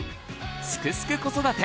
「すくすく子育て」